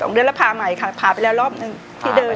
เดือนแล้วผ่าใหม่ค่ะพาไปแล้วรอบหนึ่งที่เดิน